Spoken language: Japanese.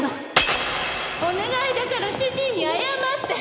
お願いだから主人に謝って。